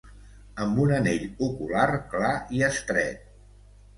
Amb un anell ocular clar i estret.